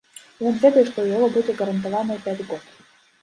Ён ведае, што ў яго будзе гарантаваныя пяць год.